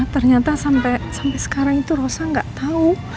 ternyata sampe sekarang itu rosa gak tau